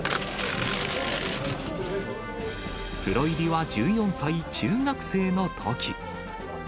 プロ入りは１４歳、中学生のとき。